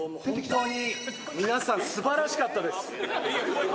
本当に皆さん素晴らしかったです